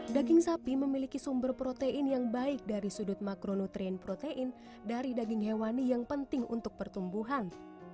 daging sapi memiliki sumber protein yang baik dari sudut makronutrien protein dari daging hewani yang penting untuk pertumbuhan